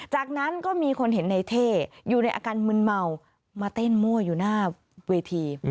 จากนั้นก็มีคนเห็นในเท่อยู่ในอาการมึนเมามาเต้นมั่วอยู่หน้าเวที